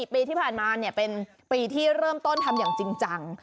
ปีที่ผ่านมาเป็นปีที่เริ่มต้นทำอย่างจริงจัง